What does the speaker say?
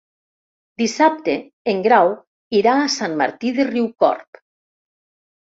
Dissabte en Grau irà a Sant Martí de Riucorb.